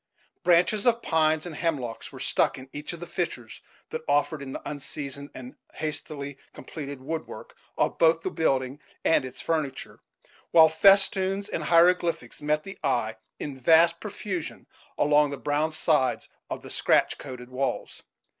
Branches of pines and hemlocks were stuck in each of the fissures that offered in the unseasoned and hastily completed woodwork of both the building and its furniture; while festoons and hieroglyphics met the eye in vast profusion along the brown sides of the scratch coated walls.